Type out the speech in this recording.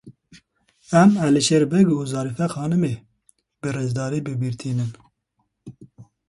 Em Elîşêr Beg û Zerîfe Xanimê bi rêzdarî bi bîr tînin.